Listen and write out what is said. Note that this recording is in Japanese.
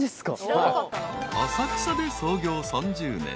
［浅草で創業３０年。